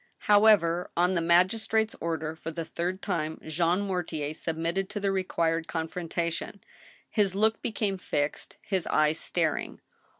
" However, on the magistrate's order for the third time, Jean Mortier submitted to the required confrontation. His look became fixed, his eyes staring.